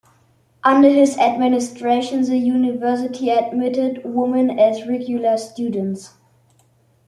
Under his administration, the university admitted women as regular students.